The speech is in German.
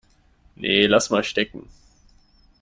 Nee, lass mal stecken.